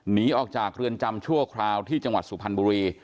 หนีออกจากเรือนจำชั่วคราวที่จังหวัดสุพรรณบุรี